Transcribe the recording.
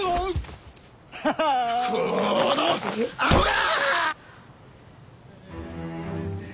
このアホが！